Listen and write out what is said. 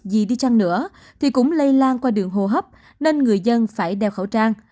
gì đi chăng nữa thì cũng lây lan qua đường hồ hấp nên người dân phải đeo khẩu trang